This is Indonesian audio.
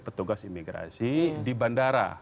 petugas imigrasi di bandara